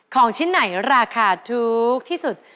ของชิ้นไหนราคาถูกที่สุด